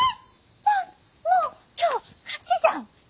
じゃあもう今日勝ちじゃん！